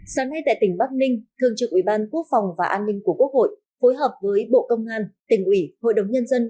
sáng nay tại tỉnh bắc ninh thường trực ủy ban quốc phòng và an ninh của quốc hội phối hợp với bộ công an tỉnh ủy hội đồng nhân dân